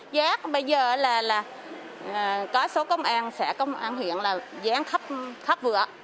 giá bây giờ là là là có số công an sẽ có một công an hiện là gián gấp vừa